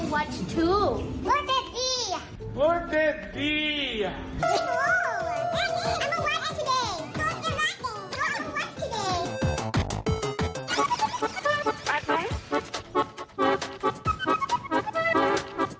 วันวันที่นี้